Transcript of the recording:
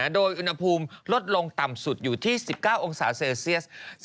โดยอุณหภูมิลดลงต่ำสุดอยู่ที่๑๙องศาเซลเซียส